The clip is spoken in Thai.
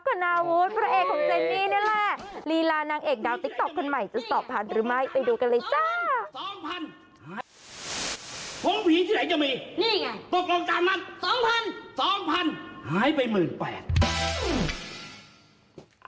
โพงผีที่ไหนจะมีปกป้องตามมันสองพันสองพันหายไปหมื่นแปด